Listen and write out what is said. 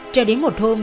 trở đến một hôm